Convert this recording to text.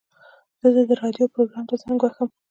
زه د راډیو پروګرام ته زنګ وهم.